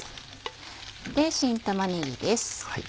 新玉ねぎです。